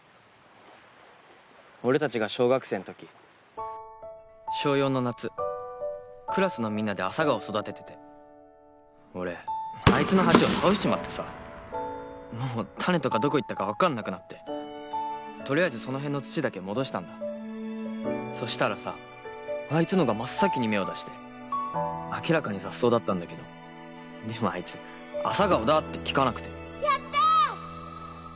俺たちが小学生ん時小４の夏クラスのみんなで朝顔育ててて俺あいつの鉢を倒しちまってさもう種とかどこ行ったか分かんなくなってとりあえずその辺の土だけ戻したんだそしたらさあいつのが真っ先に芽を出して明らかに雑草だったんだけどでもあいつ朝顔だって聞かなくてやったぁ！